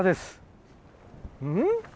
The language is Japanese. うん？